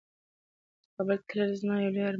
کابل ته تلل زما یو لوی ارمان دی.